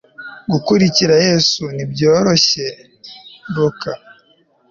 Gukurikira Yesu ntibyoroshye Luka